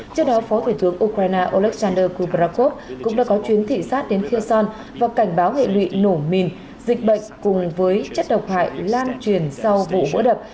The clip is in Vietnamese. trước đó phó thủy tướng ukraine oleksandr kuprakov cũng đã có chuyến thị sát đến kherson và cảnh báo hệ lụy nổ mìn dịch bệnh cùng với chất độc hại lan truyền sau vụ vỡ đập